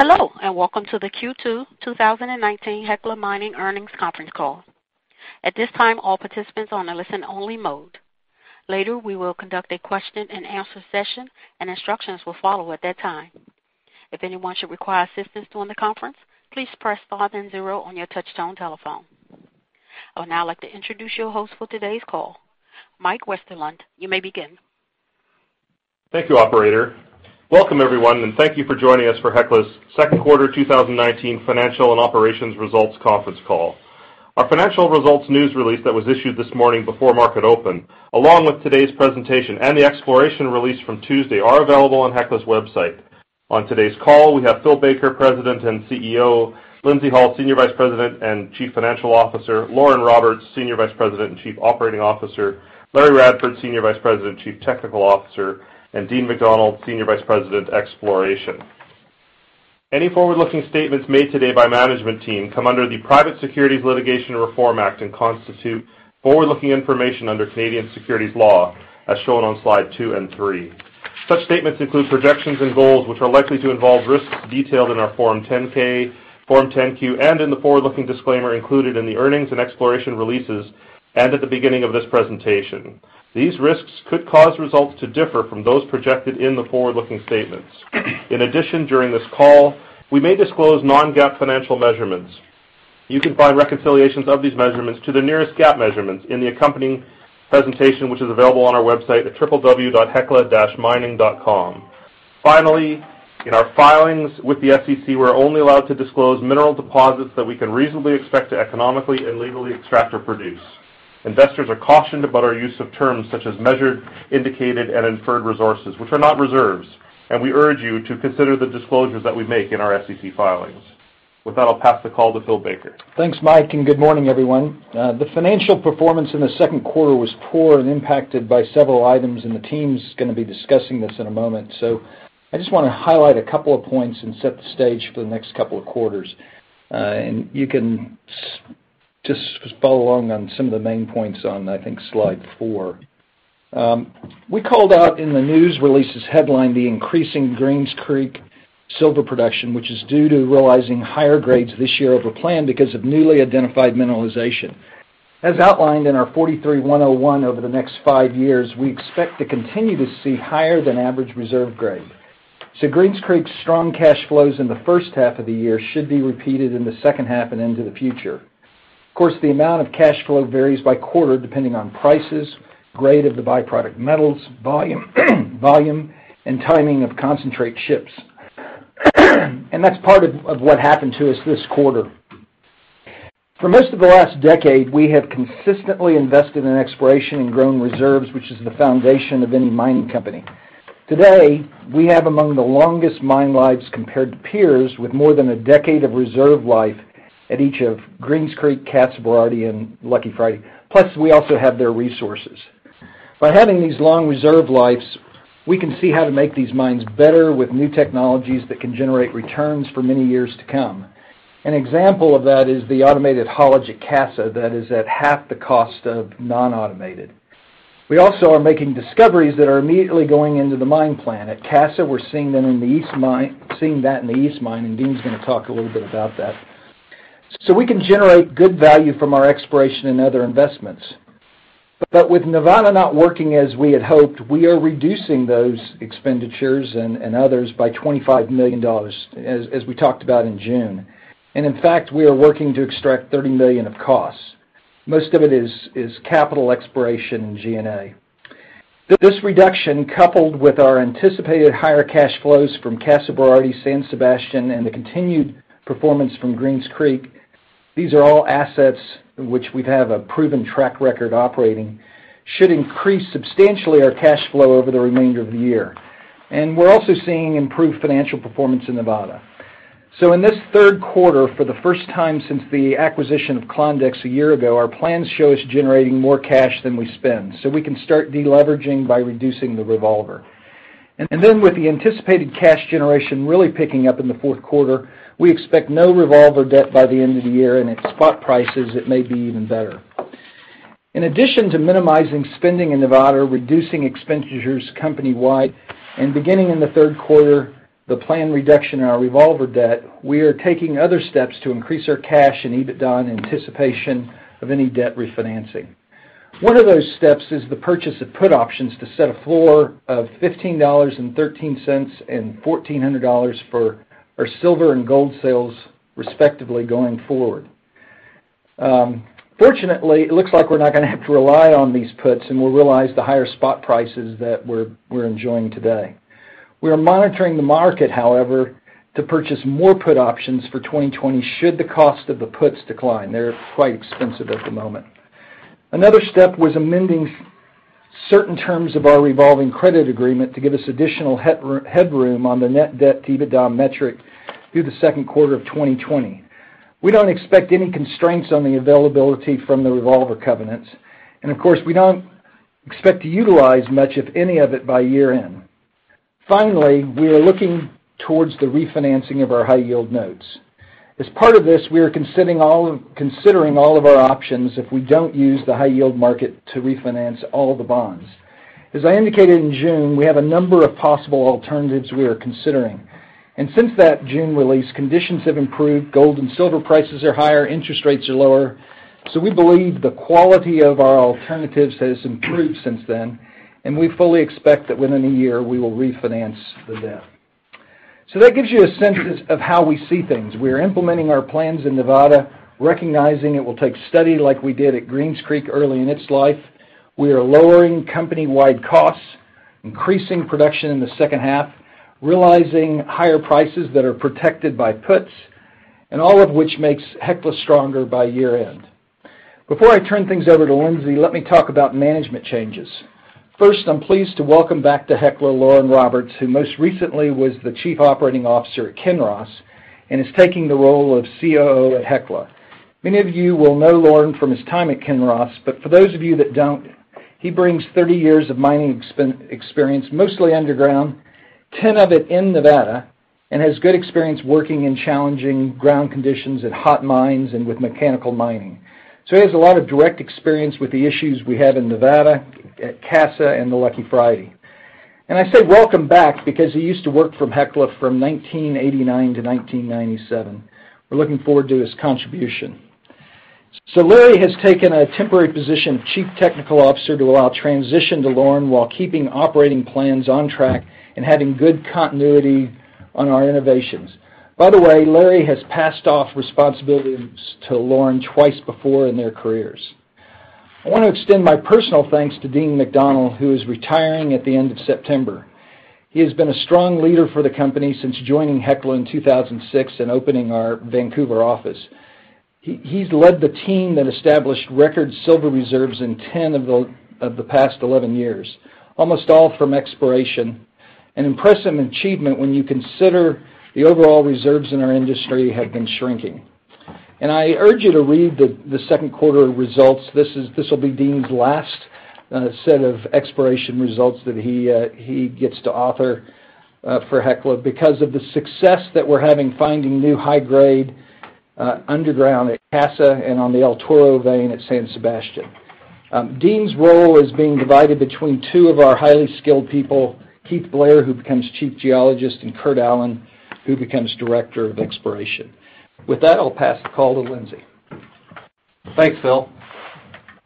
Hello, and welcome to the Q2 2019 Hecla Mining earnings conference call. At this time, all participants are on a listen only mode. Later, we will conduct a question and answer session, and instructions will follow at that time. If anyone should require assistance during the conference, please press 5 and 0 on your touchtone telephone. I would now like to introduce your host for today's call. Mike Westerlund, you may begin. Thank you, operator. Welcome everyone, and thank you for joining us for Hecla's second quarter 2019 financial and operations results conference call. Our financial results news release that was issued this morning before market open, along with today's presentation and the exploration release from Tuesday, are available on Hecla's website. On today's call, we have Phil Baker, President and CEO; Lindsay Hall, Senior Vice President and Chief Financial Officer; Lauren Roberts, Senior Vice President and Chief Operating Officer; Larry Radford, Senior Vice President and Chief Technical Officer; and Dean McDonald, Senior Vice President, Exploration. Any forward-looking statements made today by management team come under the Private Securities Litigation Reform Act and constitute forward-looking information under Canadian securities law, as shown on slide two and three. Such statements include projections and goals, which are likely to involve risks detailed in our Form 10-K, Form 10-Q and in the forward-looking disclaimer included in the earnings and exploration releases, and at the beginning of this presentation. These risks could cause results to differ from those projected in the forward-looking statements. During this call, we may disclose non-GAAP financial measurements. You can find reconciliations of these measurements to the nearest GAAP measurements in the accompanying presentation, which is available on our website at www.hecla-mining.com. In our filings with the SEC, we're only allowed to disclose mineral deposits that we can reasonably expect to economically and legally extract or produce. Investors are cautioned about our use of terms such as measured, indicated, and inferred resources, which are not reserves, and we urge you to consider the disclosures that we make in our SEC filings. With that, I'll pass the call to Phil Baker. Thanks, Mike, and good morning, everyone. The financial performance in the second quarter was poor and impacted by several items. The team's going to be discussing this in a moment. I just want to highlight a couple of points and set the stage for the next couple of quarters. You can just follow along on some of the main points on, I think, slide four. We called out in the news release's headline the increasing Greens Creek silver production, which is due to realizing higher grades this year over plan because of newly identified mineralization. As outlined in our 43-101, over the next five years, we expect to continue to see higher than average reserve grade. Greens Creek strong cash flows in the first half of the year should be repeated in the second half and into the future. Of course, the amount of cash flow varies by quarter, depending on prices, grade of the byproduct metals, volume, and timing of concentrate ships. That's part of what happened to us this quarter. For most of the last decade, we have consistently invested in exploration and grown reserves, which is the foundation of any mining company. Today, we have among the longest mine lives compared to peers with more than a decade of reserve life at each of Greens Creek, Casa Berardi, and Lucky Friday. We also have their resources. By having these long reserve lives, we can see how to make these mines better with new technologies that can generate returns for many years to come. An example of that is the automated haulage at Casa that is at half the cost of non-automated. We also are making discoveries that are immediately going into the mine plan. At Casa, we're seeing that in the east mine, and Dean's going to talk a little bit about that. We can generate good value from our exploration and other investments. With Nevada not working as we had hoped, we are reducing those expenditures and others by $25 million, as we talked about in June. In fact, we are working to extract $30 million of costs. Most of it is capital exploration and G&A. This reduction, coupled with our anticipated higher cash flows from Casa Berardi, San Sebastian, and the continued performance from Greens Creek, these are all assets in which we have a proven track record operating, should increase substantially our cash flow over the remainder of the year. We're also seeing improved financial performance in Nevada. In this third quarter, for the first time since the acquisition of Klondex a year ago, our plans show us generating more cash than we spend, so we can start deleveraging by reducing the revolver. With the anticipated cash generation really picking up in the fourth quarter, we expect no revolver debt by the end of the year, and at spot prices, it may be even better. In addition to minimizing spending in Nevada, reducing expenditures company-wide, and beginning in the third quarter, the planned reduction in our revolver debt, we are taking other steps to increase our cash and EBITDA in anticipation of any debt refinancing. One of those steps is the purchase of put options to set a floor of $15.13 and $1,400 for our silver and gold sales, respectively, going forward. Fortunately, it looks like we're not going to have to rely on these puts, and we'll realize the higher spot prices that we're enjoying today. We are monitoring the market, however, to purchase more put options for 2020, should the cost of the puts decline. They're quite expensive at the moment. Another step was amending certain terms of our revolving credit agreement to give us additional headroom on the net debt-to-EBITDA metric through the second quarter of 2020. We don't expect any constraints on the availability from the revolver covenants, and of course, we don't expect to utilize much of any of it by year-end. Finally, we are looking towards the refinancing of our high-yield notes. As part of this, we are considering all of our options if we don't use the high yield market to refinance all the bonds. As I indicated in June, we have a number of possible alternatives we are considering. Since that June release, conditions have improved. Gold and silver prices are higher, interest rates are lower. We believe the quality of our alternatives has improved since then, and we fully expect that within a year, we will refinance the debt. That gives you a sense of how we see things. We are implementing our plans in Nevada, recognizing it will take study like we did at Greens Creek early in its life. We are lowering company-wide costs, increasing production in the second half, realizing higher prices that are protected by puts, and all of which makes Hecla stronger by year-end. Before I turn things over to Lindsay, let me talk about management changes. First, I'm pleased to welcome back to Hecla, Lorne Roberts, who most recently was the Chief Operating Officer at Kinross and is taking the role of COO at Hecla. Many of you will know Lorne from his time at Kinross, but for those of you that don't, he brings 30 years of mining experience, mostly underground, 10 of it in Nevada, and has good experience working in challenging ground conditions at hot mines and with mechanical mining. He has a lot of direct experience with the issues we have in Nevada at Casa and the Lucky Friday. I say welcome back because he used to work for Hecla from 1989 to 1997. We're looking forward to his contribution. Larry has taken a temporary position of Chief Technical Officer to allow transition to Lorne while keeping operating plans on track and having good continuity on our innovations. By the way, Larry has passed off responsibilities to Lauren twice before in their careers. I want to extend my personal thanks to Dean McDonald, who is retiring at the end of September. He has been a strong leader for the company since joining Hecla in 2006 and opening our Vancouver office. He's led the team that established record silver reserves in 10 of the past 11 years, almost all from exploration, an impressive achievement when you consider the overall reserves in our industry have been shrinking. I urge you to read the second quarter results. This will be Dean's last set of exploration results that he gets to author for Hecla because of the success that we're having finding new high-grade underground at Casa and on the El Toro vein at San Sebastian. Dean's role is being divided between two of our highly skilled people, Keith Blair, who becomes Chief Geologist, and Kurt Allen, who becomes Director of Exploration. With that, I'll pass the call to Lindsay. Thanks, Phil.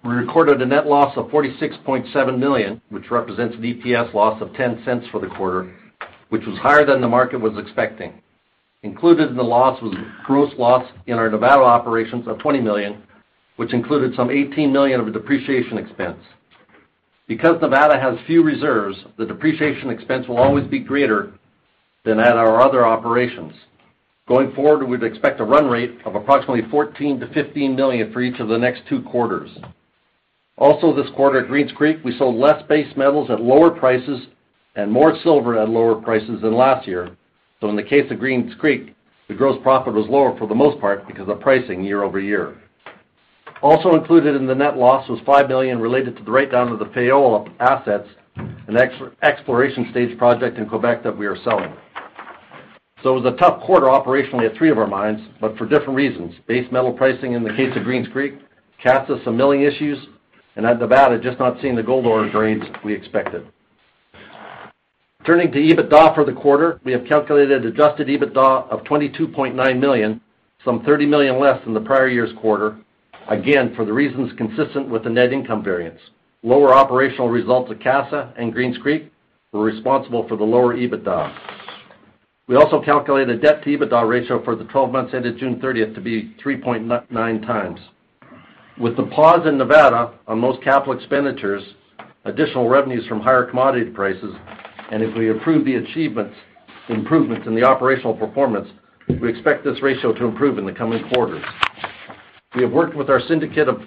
We recorded a net loss of $46.7 million, which represents an EPS loss of $0.10 for the quarter, which was higher than the market was expecting. Included in the loss was gross loss in our Nevada operations of $20 million, which included some $18 million of depreciation expense. Because Nevada has few reserves, the depreciation expense will always be greater than at our other operations. Going forward, we'd expect a run rate of approximately $14 million-$15 million for each of the next two quarters. Also this quarter at Greens Creek, we sold less base metals at lower prices and more silver at lower prices than last year. In the case of Greens Creek, the gross profit was lower for the most part because of pricing year-over-year. Also included in the net loss was $5 million related to the write-down of the Fayolle assets, an exploration stage project in Quebec that we are selling. It was a tough quarter operationally at three of our mines, but for different reasons. Base metal pricing in the case of Greens Creek, Casa, some milling issues, and at Nevada, just not seeing the gold ore grades we expected. Turning to EBITDA for the quarter, we have calculated adjusted EBITDA of $22.9 million, some $30 million less than the prior year's quarter, again, for the reasons consistent with the net income variance. Lower operational results at Casa and Greens Creek were responsible for the lower EBITDA. We also calculated a debt-to-EBITDA ratio for the 12 months ended June 30th to be 3.9 times. With the pause in Nevada on most capital expenditures, additional revenues from higher commodity prices, and if we improve the achievements, improvements in the operational performance, we expect this ratio to improve in the coming quarters. We have worked with our syndicate of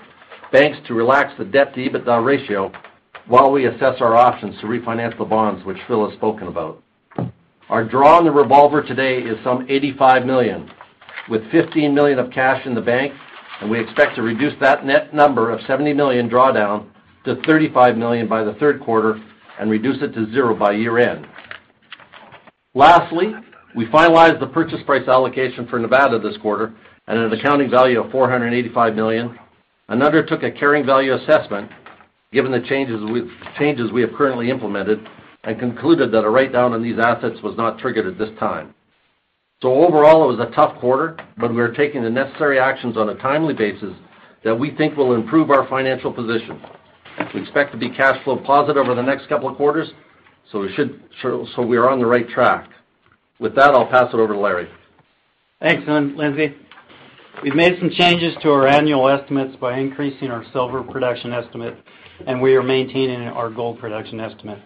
banks to relax the net debt-to-EBITDA ratio while we assess our options to refinance the bonds, which Phil has spoken about. Our draw on the revolver today is some $85 million, with $15 million of cash in the bank, we expect to reduce that net number of $70 million drawdown to $35 million by the third quarter and reduce it to zero by year-end. Lastly, we finalized the purchase price allocation for Nevada this quarter at an accounting value of $485 million and undertook a carrying value assessment given the changes we have currently implemented and concluded that a write-down on these assets was not triggered at this time. Overall, it was a tough quarter, but we are taking the necessary actions on a timely basis that we think will improve our financial position. We expect to be cash flow positive over the next couple of quarters, so we are on the right track. With that, I'll pass it over to Larry. Thanks, Lindsay. We've made some changes to our annual estimates by increasing our silver production estimate, and we are maintaining our gold production estimate.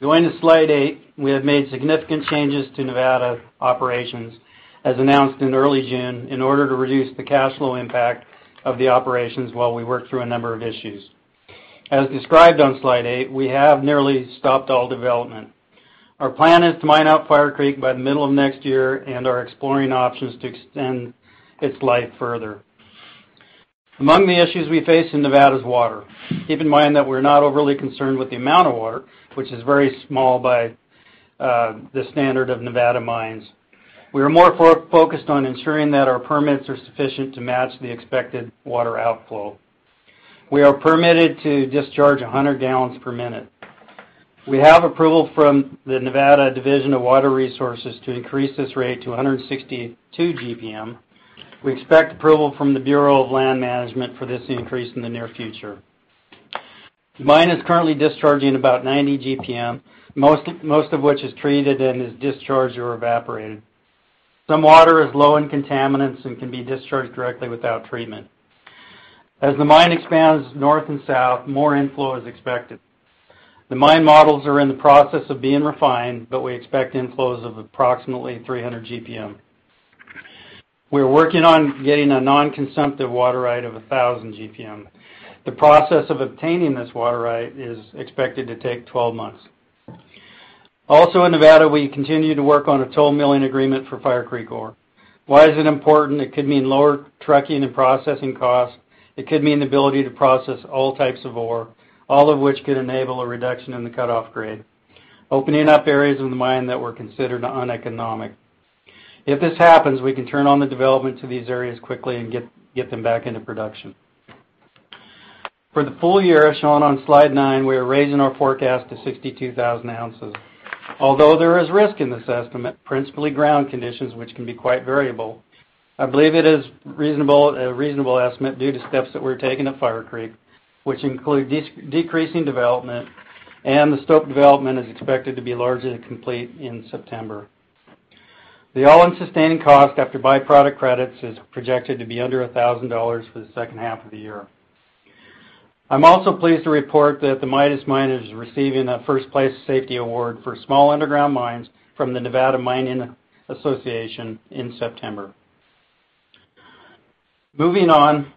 Going to slide eight, we have made significant changes to Nevada operations, as announced in early June, in order to reduce the cash flow impact of the operations while we work through a number of issues. As described on slide eight, we have nearly stopped all development. Our plan is to mine out Fire Creek by the middle of next year and are exploring options to extend its life further. Among the issues we face in Nevada's water, keep in mind that we're not overly concerned with the amount of water, which is very small by the standard of Nevada mines. We are more focused on ensuring that our permits are sufficient to match the expected water outflow. We are permitted to discharge 100 gallons per minute. We have approval from the Nevada Division of Water Resources to increase this rate to 162 GPM. We expect approval from the Bureau of Land Management for this increase in the near future. The mine is currently discharging about 90 GPM, most of which is treated and is discharged or evaporated. Some water is low in contaminants and can be discharged directly without treatment. As the mine expands north and south, more inflow is expected. The mine models are in the process of being refined, but we expect inflows of approximately 300 GPM. We are working on getting a non-consumptive water right of 1,000 GPM. The process of obtaining this water right is expected to take 12 months. Also in Nevada, we continue to work on a toll milling agreement for Fire Creek ore. Why is it important? It could mean lower trucking and processing costs. It could mean the ability to process all types of ore, all of which could enable a reduction in the cut-off grade, opening up areas of the mine that were considered uneconomic. If this happens, we can turn on the development to these areas quickly and get them back into production. For the full year shown on slide nine, we are raising our forecast to 62,000 ounces. Although there is risk in this estimate, principally ground conditions, which can be quite variable, I believe it is a reasonable estimate due to steps that we're taking at Fire Creek, which include decreasing development, and the stope development is expected to be largely complete in September. The all-in sustaining cost after byproduct credits is projected to be under $1,000 for the second half of the year. I'm also pleased to report that the Midas Mine is receiving a first-place safety award for small underground mines from the Nevada Mining Association in September. Moving on.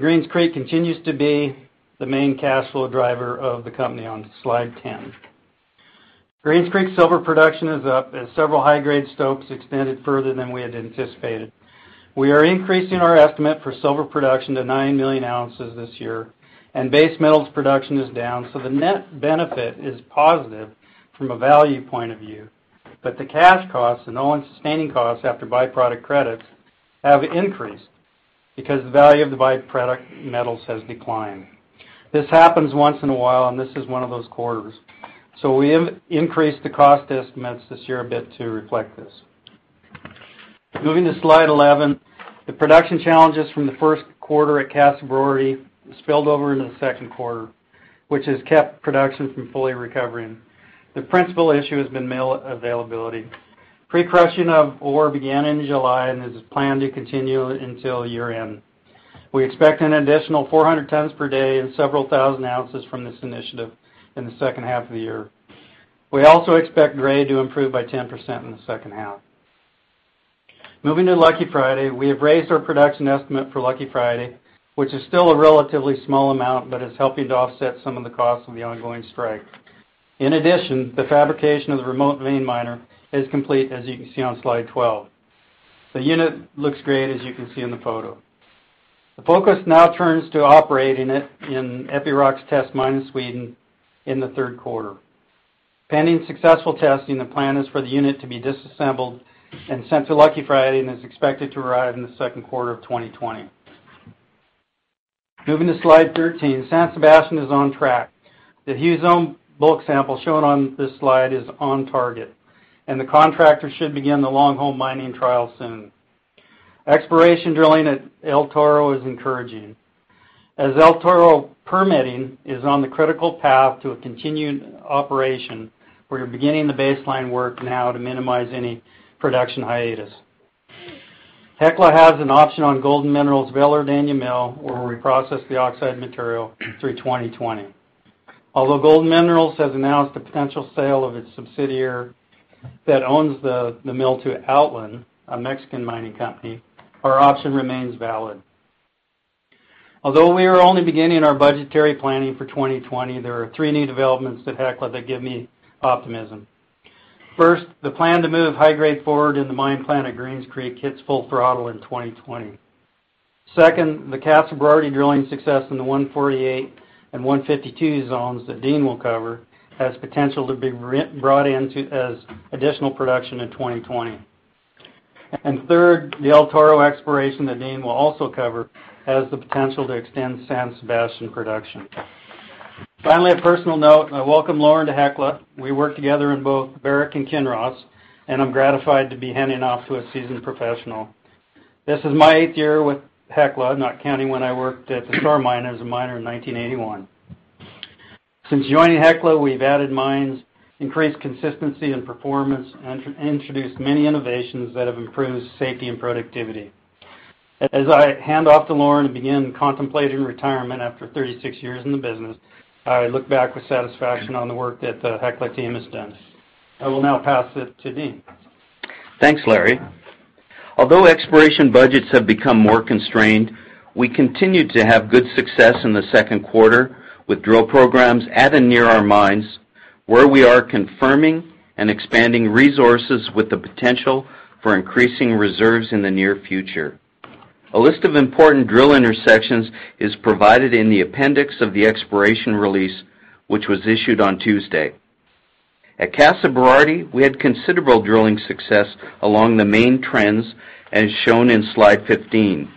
Greens Creek continues to be the main cash flow driver of the company on slide 10. Greens Creek silver production is up as several high-grade stopes extended further than we had anticipated. We are increasing our estimate for silver production to nine million ounces this year, and base metals production is down, so the net benefit is positive from a value point of view. The cash costs and all-in sustaining costs after byproduct credits have increased because the value of the byproduct metals has declined. This happens once in a while, and this is one of those quarters. We increased the cost estimates this year a bit to reflect this. Moving to slide 11, the production challenges from the first quarter at Casa Berardi spilled over into the second quarter, which has kept production from fully recovering. The principal issue has been mill availability. Pre-crushing of ore began in July and is planned to continue until year-end. We expect an additional 400 tons per day and several thousand ounces from this initiative in the second half of the year. We also expect grade to improve by 10% in the second half. Moving to Lucky Friday, we have raised our production estimate for Lucky Friday, which is still a relatively small amount but is helping to offset some of the costs of the ongoing strike. In addition, the fabrication of the remote vein miner is complete, as you can see on slide 12. The unit looks great, as you can see in the photo. The focus now turns to operating it in Epiroc's test mine in Sweden in the third quarter. Pending successful testing, the plan is for the unit to be disassembled and sent to Lucky Friday and is expected to arrive in the second quarter of 2020. Moving to slide 13, San Sebastian is on track. The Hugh Zone bulk sample shown on this slide is on target, and the contractor should begin the longhole mining trial soon. Exploration drilling at El Toro is encouraging. As El Toro permitting is on the critical path to a continued operation, we are beginning the baseline work now to minimize any production hiatus. Hecla has an option on Golden Minerals' Velardeña mill, where we process the oxide material through 2020. Although Golden Minerals has announced the potential sale of its subsidiary that owns the mill to Outland, a Mexican mining company, our option remains valid. Although we are only beginning our budgetary planning for 2020, there are three new developments at Hecla that give me optimism. First, the plan to move high grade forward in the mine plan at Greens Creek hits full throttle in 2020. Second, the Casa Berardi drilling success in the 148 and 152 zones that Dean will cover has potential to be brought in as additional production in 2020. Third, the El Toro exploration that Dean will also cover has the potential to extend San Sebastian production. Finally, a personal note. I welcome Lauren to Hecla. We worked together in both Barrick and Kinross, and I'm gratified to be handing off to a seasoned professional. This is my eighth year with Hecla, not counting when I worked at the Star Mine as a miner in 1981. Since joining Hecla, we've added mines, increased consistency and performance, and introduced many innovations that have improved safety and productivity. As I hand off to Lauren and begin contemplating retirement after 36 years in the business, I look back with satisfaction on the work that the Hecla team has done. I will now pass it to Dean. Thanks, Larry. Although exploration budgets have become more constrained, we continued to have good success in the second quarter with drill programs at and near our mines. Where we are confirming and expanding resources with the potential for increasing reserves in the near future. A list of important drill intersections is provided in the appendix of the exploration release, which was issued on Tuesday. At Casa Berardi, we had considerable drilling success along the main trends, as shown in slide 15.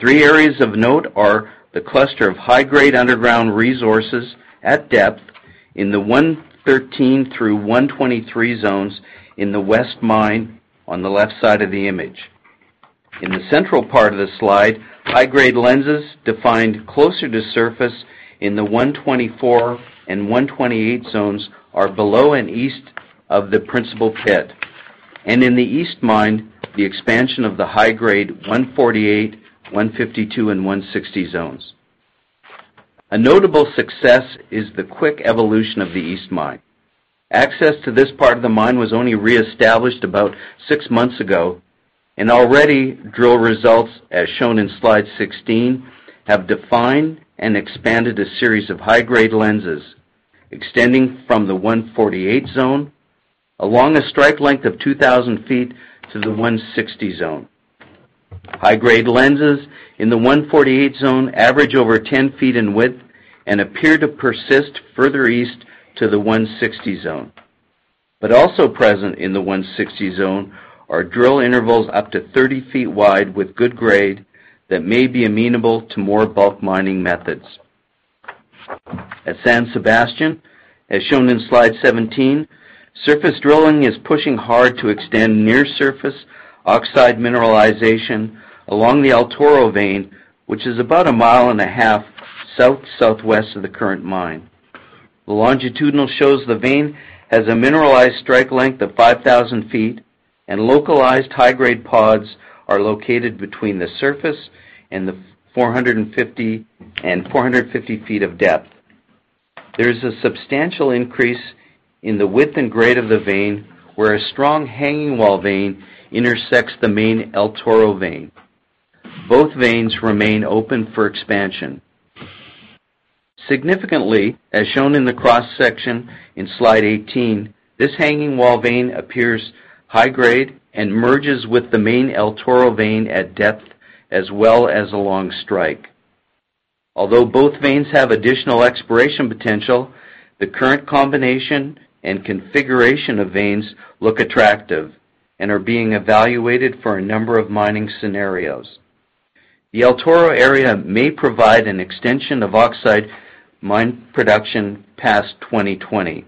Three areas of note are the cluster of high-grade underground resources at depth in the 113 through 123 zones in the west mine on the left side of the image. In the central part of the slide, high-grade lenses defined closer to surface in the 124 and 128 zones are below and east of the principal pit. In the east mine, the expansion of the high-grade 148, 152, and 160 zones. A notable success is the quick evolution of the east mine. Access to this part of the mine was only reestablished about six months ago, already drill results, as shown in slide 16, have defined and expanded a series of high-grade lenses extending from the 148 zone, along a strike length of 2,000 feet to the 160 zone. High-grade lenses in the 148 zone average over 10 feet in width and appear to persist further east to the 160 zone. Also present in the 160 zone are drill intervals up to 30 feet wide with good grade that may be amenable to more bulk mining methods. At San Sebastian, as shown in slide 17, surface drilling is pushing hard to extend near-surface oxide mineralization along the El Toro vein, which is about a mile and a half south-southwest of the current mine. The longitudinal shows the vein has a mineralized strike length of 5,000 feet, and localized high-grade pods are located between the surface and 450 feet of depth. There is a substantial increase in the width and grade of the vein, where a strong hanging wall vein intersects the main El Toro vein. Both veins remain open for expansion. Significantly, as shown in the cross-section in slide 18, this hanging wall vein appears high grade and merges with the main El Toro vein at depth as well as along strike. Although both veins have additional exploration potential, the current combination and configuration of veins look attractive and are being evaluated for a number of mining scenarios. The El Toro area may provide an extension of oxide mine production past 2020.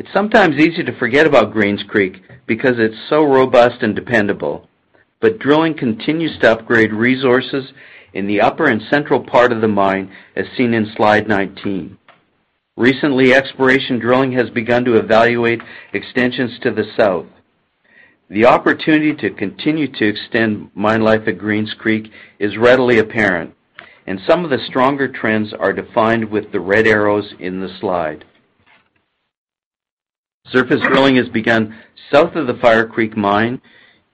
It's sometimes easy to forget about Greens Creek because it's so robust and dependable, but drilling continues to upgrade resources in the upper and central part of the mine, as seen in slide 19. Recently, exploration drilling has begun to evaluate extensions to the south. The opportunity to continue to extend mine life at Greens Creek is readily apparent, and some of the stronger trends are defined with the red arrows in the slide. Surface drilling has begun south of the Fire Creek mine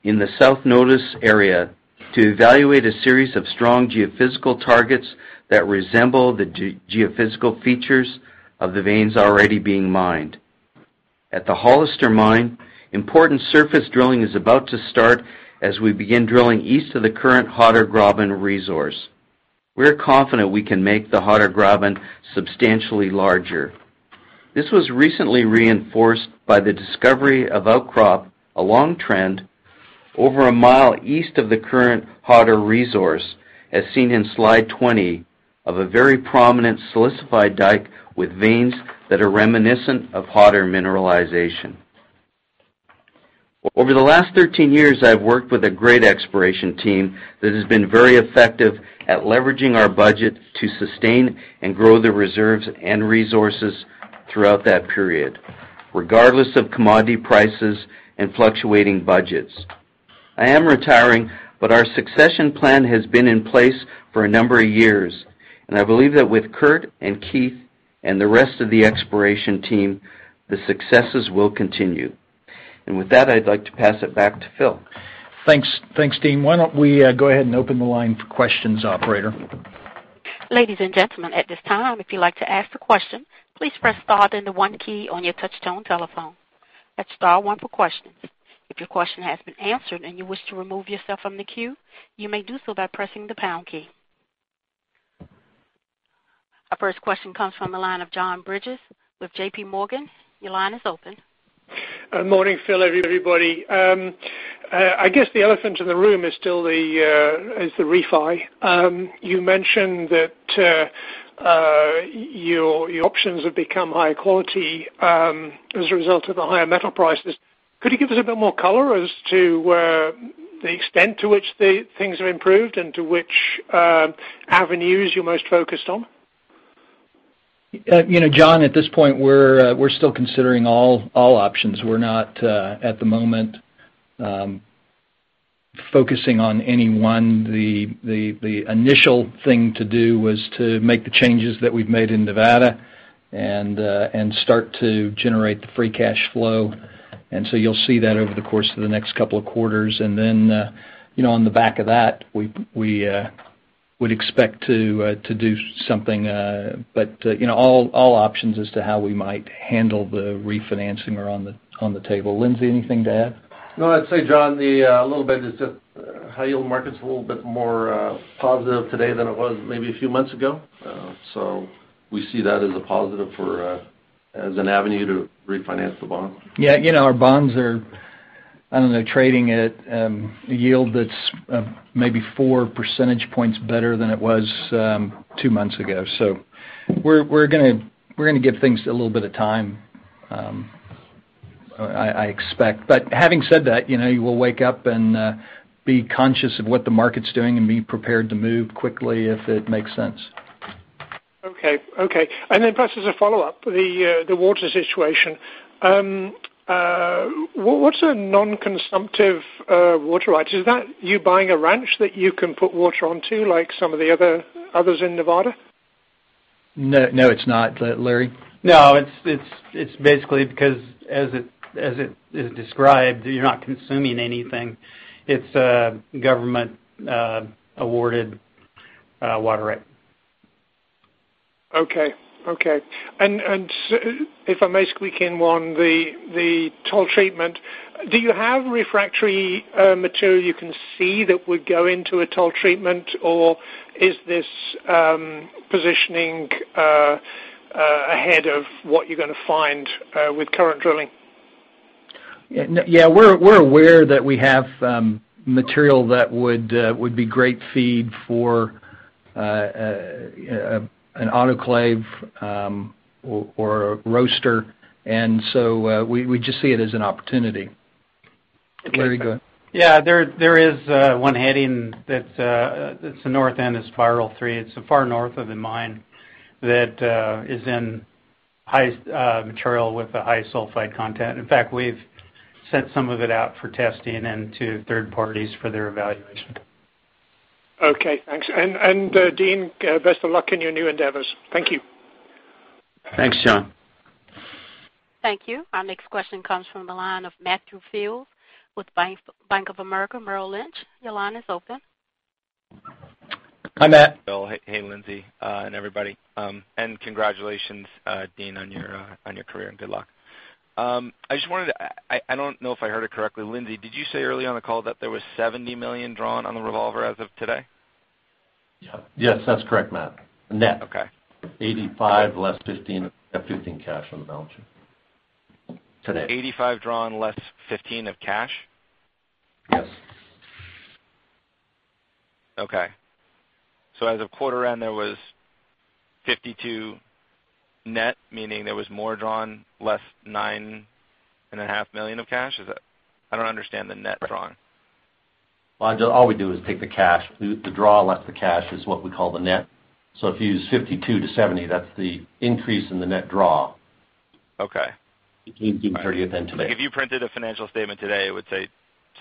in the South Notice Area to evaluate a series of strong geophysical targets that resemble the geophysical features of the veins already being mined. At the Hollister mine, important surface drilling is about to start as we begin drilling east of the current Hatter Graben resource. We're confident we can make the Hatter Graben substantially larger. This was recently reinforced by the discovery of outcrop along trend, over one mile east of the current Hatter resource, as seen in slide 20, of a very prominent silicified dike with veins that are reminiscent of Hatter mineralization. Over the last 13 years, I've worked with a great exploration team that has been very effective at leveraging our budget to sustain and grow the reserves and resources throughout that period, regardless of commodity prices and fluctuating budgets. I am retiring, our succession plan has been in place for a number of years, and I believe that with Kurt and Keith and the rest of the exploration team, the successes will continue. With that, I'd like to pass it back to Phil. Thanks. Thanks, Dean. Why don't we go ahead and open the line for questions, operator? Ladies and gentlemen, at this time, if you'd like to ask a question, please press star then the one key on your touch-tone telephone. That's star one for questions. If your question has been answered and you wish to remove yourself from the queue, you may do so by pressing the pound key. Our first question comes from the line of John Bridges with J.P. Morgan. Your line is open. Morning, Phil, everybody. I guess the elephant in the room is still the refi. You mentioned that your options have become higher quality as a result of the higher metal prices. Could you give us a bit more color as to the extent to which things have improved and to which avenues you're most focused on? John, at this point, we're still considering all options. We're not, at the moment, focusing on any one. The initial thing to do was to make the changes that we've made in Nevada and start to generate the free cash flow. You'll see that over the course of the next couple of quarters. On the back of that, we would expect to do something, all options as to how we might handle the refinancing are on the table. Lindsay, anything to add? No. I'd say, John, a little bit is just high-yield market's a little bit more positive today than it was maybe a few months ago. We see that as a positive as an avenue to refinance the bond. Yeah. Our bonds are, I don't know, trading at a yield that's maybe four percentage points better than it was two months ago. We're going to give things a little bit of time, I expect. Having said that, we'll wake up and be conscious of what the market's doing and be prepared to move quickly if it makes sense. Okay. Perhaps as a follow-up, the water situation. What's a non-consumptive water right? Is that you buying a ranch that you can put water onto like some of the others in Nevada? No, it's not, Larry. No, it's basically because as it is described, you're not consuming anything. It's a government-awarded water right. Okay. If I may squeak in one, the toll treatment, do you have refractory material you can see that would go into a toll treatment or is this positioning ahead of what you're going to find with current drilling? Yeah, we're aware that we have material that would be great feed for an autoclave or a roaster. We just see it as an opportunity. Larry, go ahead. Yeah, there is one heading that's the north end of Spiral Three. It's the far north of the mine that is in high material with a high sulfide content. In fact, we've sent some of it out for testing and to third parties for their evaluation. Okay, thanks. Dean, best of luck in your new endeavors. Thank you. Thanks, John. Thank you. Our next question comes from the line of Matthew Fields with Bank of America Merrill Lynch. Your line is open. Hi, Matt. Phil, hey, Lindsay, and everybody. Congratulations, Dean, on your career, and good luck. I don't know if I heard it correctly. Lindsay, did you say early on the call that there was $70 million drawn on the revolver as of today? Yes, that's correct, Matt. Net. Okay. $85 less $15 cash on the balance sheet today. $85 drawn less $15 of cash? Yes. Okay. As of quarter end, there was $52 net, meaning there was more drawn, less $9.5 million of cash? I don't understand the net drawing. All we do is take the cash. The draw less the cash is what we call the net. If you use 52 to 70, that's the increase in the net draw. Okay. Between June 30th and today. If you printed a financial statement today, it would say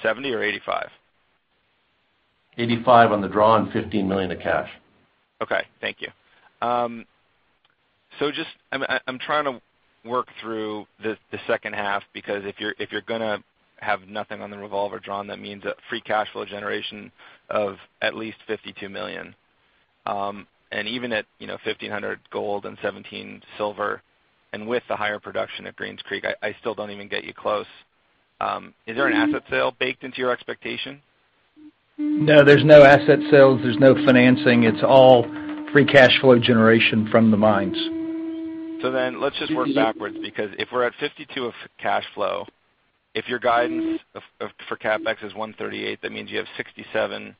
$70 or $85? 85 on the drawn, $15 million of cash. Okay, thank you. I'm trying to work through the second half, because if you're going to have nothing on the revolver drawn, that means a free cash flow generation of at least $52 million. Even at $1,500 gold and $17 silver, and with the higher production at Greens Creek, I still don't even get you close. Is there an asset sale baked into your expectation? No, there's no asset sales. There's no financing. It's all free cash flow generation from the mines. Let's just work backwards, because if we're at $52 of cash flow, if your guidance for CapEx is $138, that means you have $67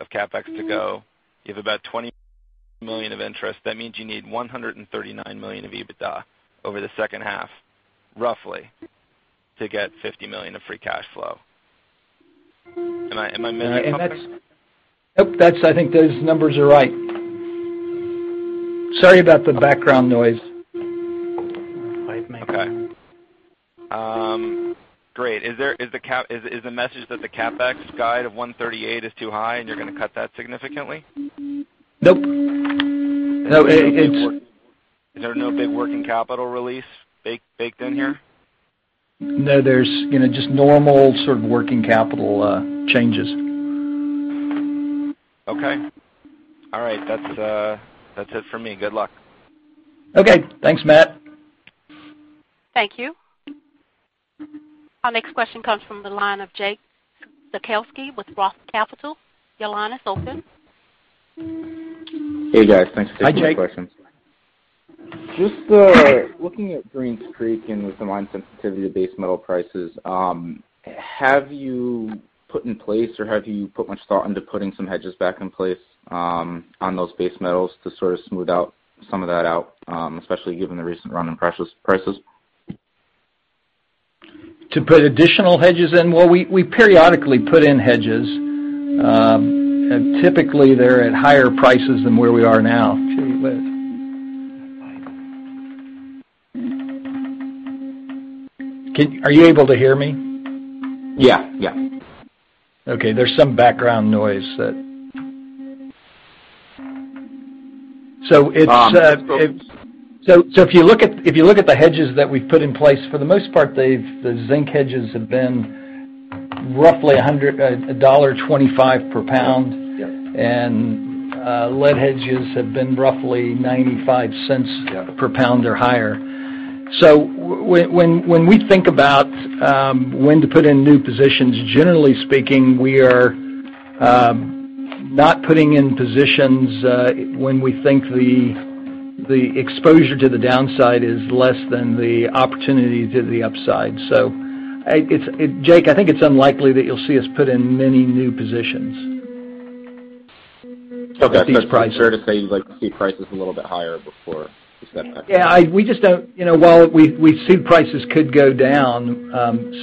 of CapEx to go. You have about $20 million of interest. That means you need $139 million of EBITDA over the second half, roughly, to get $50 million of free cash flow. Am I missing something? I think those numbers are right. Sorry about the background noise. Okay. Great. Is the message that the CapEx guide of $138 is too high and you're going to cut that significantly? Nope. No. Is there no big working capital release baked in here? No, there's just normal sort of working capital changes. Okay. All right. That's it for me. Good luck. Okay. Thanks, Matt. Thank you. Our next question comes from the line of Jake Zukowski with ROTH Capital. Your line is open. Hey, guys. Thanks for taking my questions. Hi, Jake. Just looking at Greens Creek and with the mine sensitivity to base metal prices, have you put in place or have you put much thought into putting some hedges back in place on those base metals to sort of smooth out some of that out, especially given the recent run in prices? To put additional hedges in? Well, we periodically put in hedges. Typically, they're at higher prices than where we are now. Are you able to hear me? Yeah. Okay. If you look at the hedges that we've put in place, for the most part, the zinc hedges have been roughly $1.25 per pound. Yep. Lead hedges have been roughly $0.95 per pound or higher. When we think about when to put in new positions, generally speaking, we are not putting in positions when we think the exposure to the downside is less than the opportunity to the upside. Jake, I think it's unlikely that you'll see us put in many new positions. Okay. At these prices. Fair to say you'd like to see prices a little bit higher before you set that? Yeah, while we see prices could go down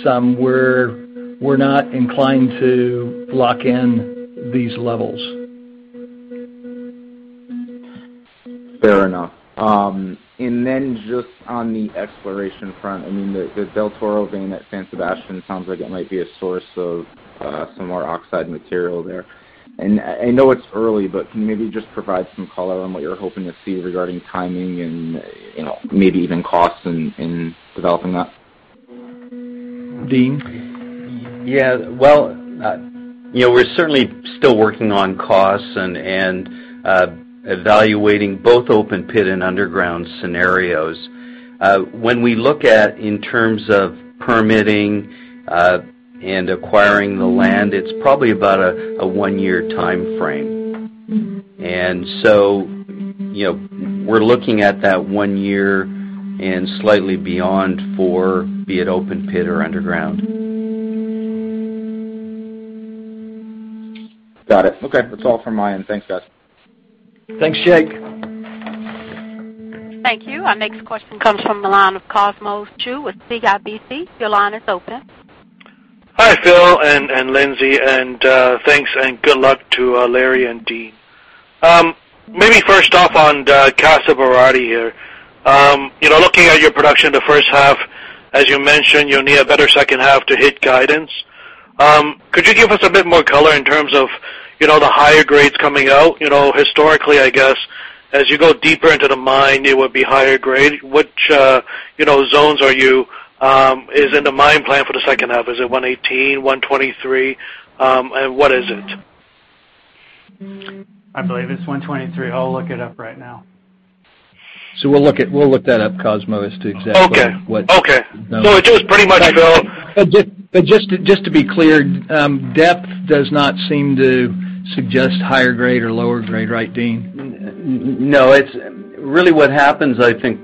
some, we're not inclined to lock in these levels. Fair enough. Just on the exploration front, the El Toro vein at San Sebastian sounds like it might be a source of some more oxide material there. I know it's early, but can you maybe just provide some color on what you're hoping to see regarding timing and maybe even costs in developing that? Dean? We're certainly still working on costs and evaluating both open pit and underground scenarios. When we look at in terms of permitting and acquiring the land, it's probably about a one-year timeframe. We're looking at that one year and slightly beyond for, be it open pit or underground. Got it. Okay. That's all from my end. Thanks, guys. Thanks, Jake. Thank you. Our next question comes from the line of Cosmos Chiu with CIBC. Your line is open. Hi, Phil and Lindsay, and thanks and good luck to Larry and Dean. Maybe first off on the Casa Berardi here. Looking at your production the first half, as you mentioned, you'll need a better second half to hit guidance. Could you give us a bit more color in terms of the higher grades coming out? Historically, I guess, as you go deeper into the mine, it would be higher grade. Which zones is in the mine plan for the second half? Is it 118, 123? What is it? I believe it's 123. I'll look it up right now. We'll look that up, Cosmos, as to exactly what Okay. just to be clear, depth does not seem to suggest higher grade or lower grade, right, Dean? No. Really what happens, I think,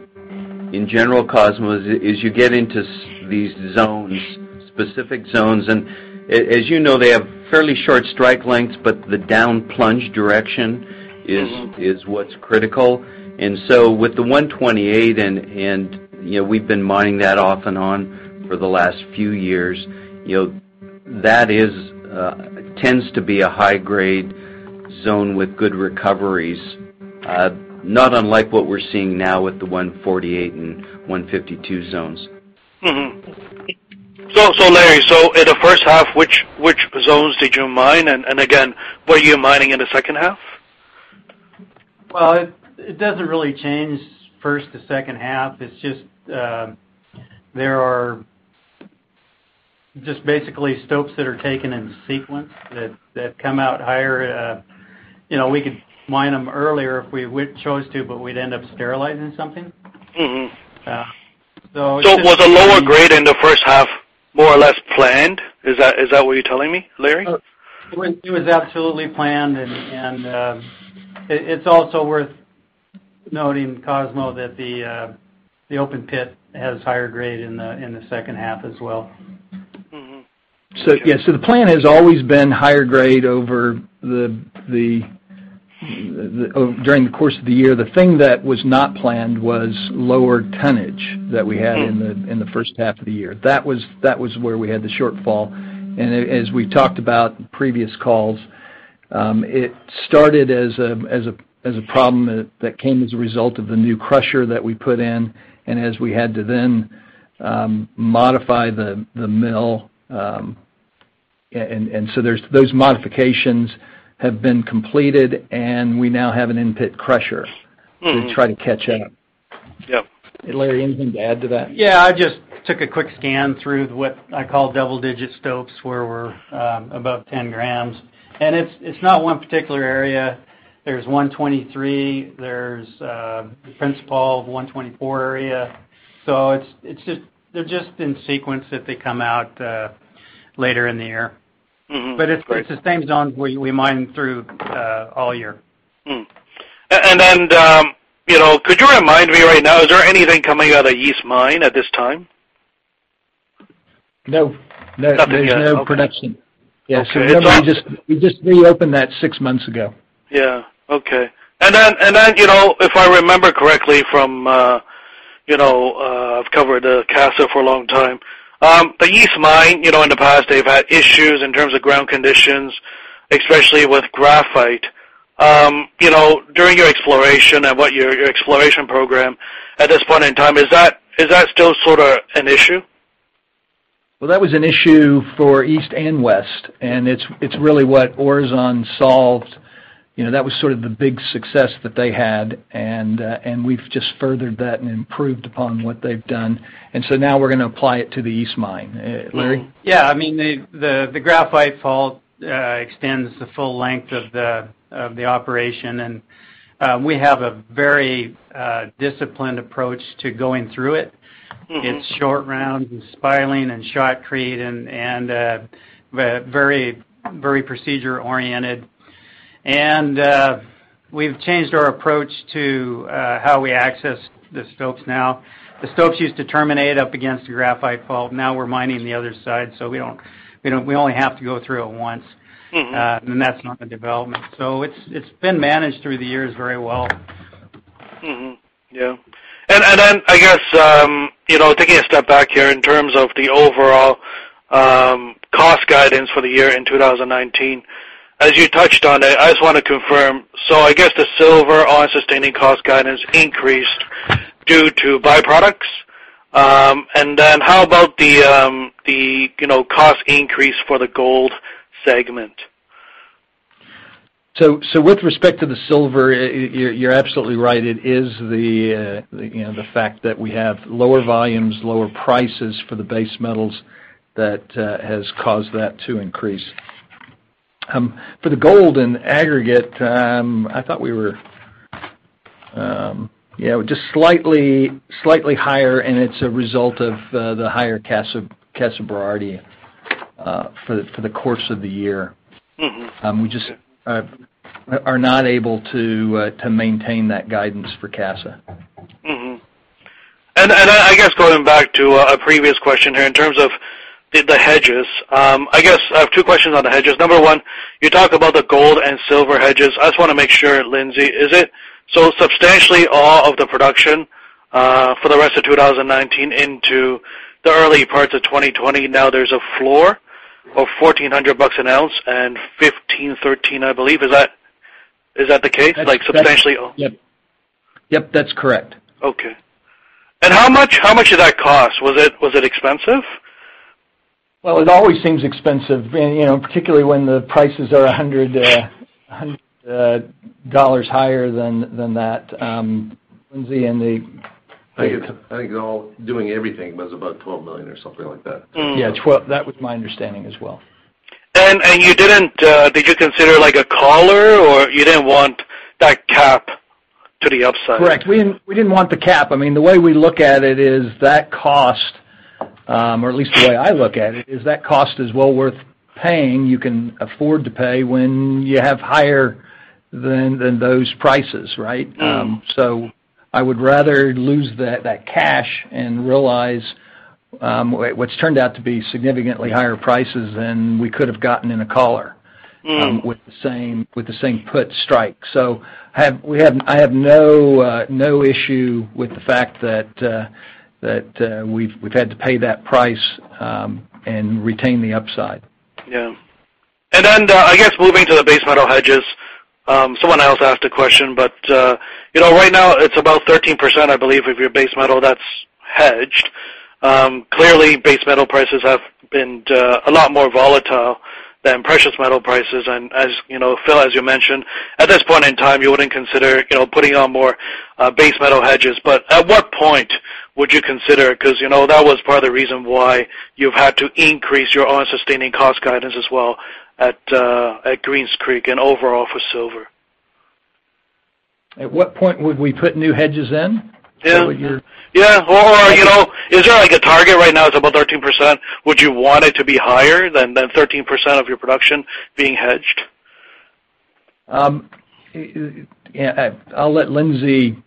in general, Cosmo, is you get into these specific zones, and as you know, they have fairly short strike lengths, but the down plunge direction is what's critical. With the 128, and we've been mining that off and on for the last few years, that tends to be a high-grade zone with good recoveries. Not unlike what we're seeing now with the 148 and 152 zones. Larry, so in the first half, which zones did you mine? Again, what are you mining in the second half? Well, it doesn't really change first to second half. It's just, there are just basically stopes that are taken in sequence that come out higher. We could mine them earlier if we chose to, but we'd end up sterilizing something. Yeah. Was the lower grade in the first half more or less planned? Is that what you're telling me, Larry? It was absolutely planned, and it's also worth noting, Cosmos, that the open pit has higher grade in the second half as well. The plan has always been higher grade during the course of the year. The thing that was not planned was lower tonnage that we had in the first half of the year. That was where we had the shortfall. As we've talked about in previous calls, it started as a problem that came as a result of the new crusher that we put in, and as we had to then modify the mill. Those modifications have been completed, and we now have an in-pit crusher to try to catch up. Yep. Larry, anything to add to that? Yeah, I just took a quick scan through what I call double-digit stopes, where we're above 10 grams. It's not one particular area. There's 123, there's the principal of 124 area. They're just in sequence that they come out later in the year. Mm-hmm. Great. It's the same zones we mine through all year. Could you remind me right now, is there anything coming out of the East Mine at this time? No. Nothing yet. There's no production. Okay. Remember we just reopened that six months ago. Yeah. Okay. If I remember correctly from, I've covered Casa for a long time. The East Mine, in the past, they've had issues in terms of ground conditions, especially with graphite. During your exploration and your exploration program at this point in time, is that still sort of an issue? Well, that was an issue for east and west, and it's really what Aurizon solved. That was sort of the big success that they had, and we've just furthered that and improved upon what they've done. Now we're going to apply it to the east mine. Larry? Yeah. The graphite fault extends the full length of the operation, and we have a very disciplined approach to going through it. It's short round and spiraling and shotcrete and very procedure oriented. We've changed our approach to how we access the stopes now. The stopes used to terminate up against the graphite fault. We're mining the other side, so we only have to go through it once. That's not a development. It's been managed through the years very well. Mm-hmm. Yeah. I guess, taking a step back here in terms of the overall cost guidance for the year in 2019, as you touched on it, I just want to confirm, I guess the silver all-in sustaining cost guidance increased due to byproducts. How about the cost increase for the gold segment? With respect to the silver, you're absolutely right. It is the fact that we have lower volumes, lower prices for the base metals that has caused that to increase. For the gold and aggregate, I thought we were just slightly higher, and it's a result of the higher Casa Berardi for the course of the year. We just are not able to maintain that guidance for Casa. I guess going back to a previous question here in terms of the hedges, I have two questions on the hedges. Number one, you talk about the gold and silver hedges. I just want to make sure, Lindsay, is it so substantially all of the production for the rest of 2019 into the early parts of 2020, now there's a floor of $1,400 an ounce and $15.13, I believe. Is that the case, like substantially all? Yep. That's correct. Okay. How much did that cost? Was it expensive? Well, it always seems expensive, particularly when the prices are $100 higher than that. I think doing everything was about $12 million or something like that. Yeah. That was my understanding as well. Did you consider, like, a collar or you didn't want that cap to the upside? Correct. We didn't want the cap. The way we look at it is that cost, or at least the way I look at it is that cost is well worth paying. You can afford to pay when you have higher than those prices, right? I would rather lose that cash and realize what's turned out to be significantly higher prices than we could have gotten in a collar- with the same put strike. I have no issue with the fact that we've had to pay that price and retain the upside. Yeah. I guess moving to the base metal hedges. Someone else asked a question, but right now it's about 13%, I believe, of your base metal that's hedged. Clearly, base metal prices have been a lot more volatile than precious metal prices. Phil, as you mentioned, at this point in time, you wouldn't consider putting on more base metal hedges. At what point would you consider it? Because that was part of the reason why you've had to increase your own sustaining cost guidance as well at Greens Creek and overall for silver. At what point would we put new hedges in? Yeah. Is there, like, a target right now? It's about 13%. Would you want it to be higher than 13% of your production being hedged? I'll let Lindsay